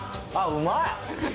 うまい。